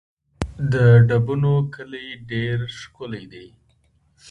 د ډبونو کلی ډېر ښکلی دی